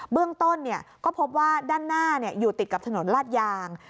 เบื้องต้นก็พบว่าด้านหน้าอยู่ติดกับถนนลาดยาง